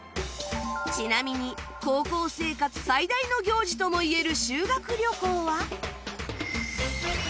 ちなみに高校生活最大の行事ともいえる修学旅行は